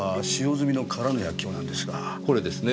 これですね。